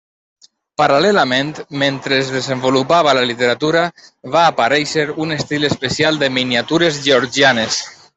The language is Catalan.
Paral·lelament, mentre es desenvolupava la literatura, va aparèixer un estil especial de miniatures georgianes.